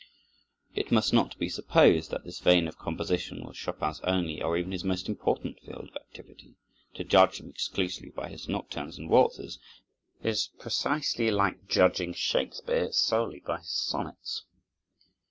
It must not be supposed that this vein of composition was Chopin's only or even his most important field of activity. To judge him exclusively by his nocturnes and waltzes is precisely like judging Shakespeare solely by his sonnets.